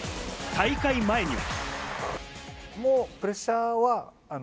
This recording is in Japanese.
大会前には。